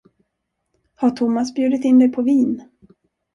Har Thomas bjudit in dig på vin?